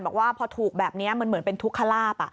บอกว่าพอถูกแบบนี้มันเหมือนเป็นทุกขลาบ